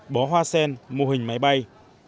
bó hoa sen mô hình máy bay